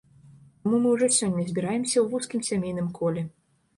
Таму мы ўжо сёння збіраемся ў вузкім сямейным коле.